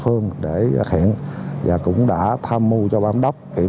hơn ba tấn hàng hóa các loại